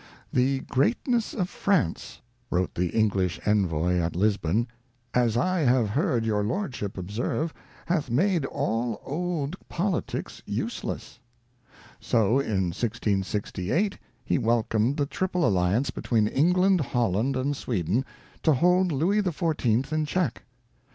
' The Greatness of France,' wrote the English Envoy at Lisbon, ' as I have heard your Lordship observe, hath made all old politics useless.' So, in 1668, he wel comed the Triple Alliance between England, Holland, and Sweden, to hold Louis XIV in check.